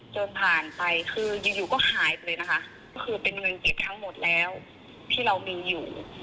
จนผ่านไปคืออยู่ก็หายไปเลยนะคะก็คือเป็นเงินเก็บทั้งหมดแล้วที่เรามีอยู่